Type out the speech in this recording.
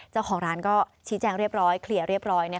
เจ้าของร้านก็ชี้แจงเรียบร้อยเคลียร์เรียบร้อย